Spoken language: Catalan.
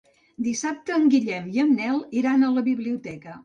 Dissabte en Guillem i en Nel iran a la biblioteca.